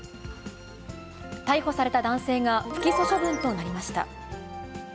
逮捕された男性が不起訴処分となりました。